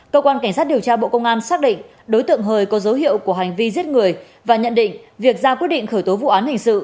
cơ quan cảnh sát điều tra bộ công an xác định đối tượng hời có dấu hiệu của hành vi giết người và nhận định việc ra quyết định khởi tố vụ án hình sự